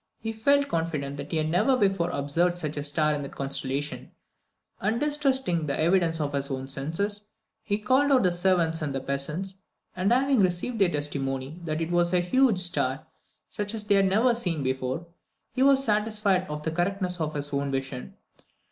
He felt confident that he had never before observed such a star in that constellation, and distrusting the evidence of his own senses, he called out the servants and the peasants, and having received their testimony that it was a huge star such as they had never seen before, he was satisfied of the correctness of his own vision.